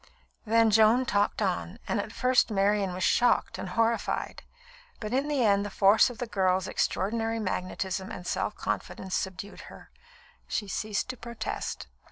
Then Joan talked on, and at first Marian was shocked and horrified; but in the end the force of the girl's extraordinary magnetism and self confidence subdued her. She ceased to protest.